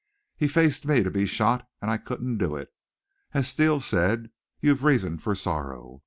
He faced me to be shot, and I couldn't do it. As Steele said, you've reason for sorrow.